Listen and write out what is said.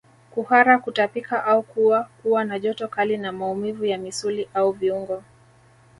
Kuhara kutapika au kuwa kuwa na joto kali na maumivu ya misuli au viungo